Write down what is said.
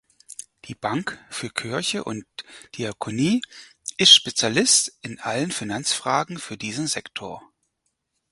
Die Bank für Kirche und Diakonie ist Spezialist in allen Finanzfragen für diesen Sektor.